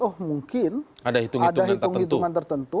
oh mungkin ada hitung hitungan tertentu